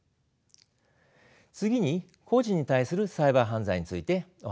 次に個人に対するサイバー犯罪についてお話しします。